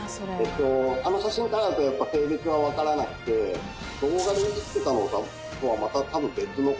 あの写真からだとやっぱ性別はわからなくて動画で出てきてたのとはまた多分別の個体に見えます。